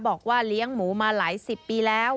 บอกว่าเลี้ยงหมูมาหลายสิบปีแล้ว